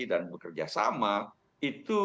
dan bekerjasama itu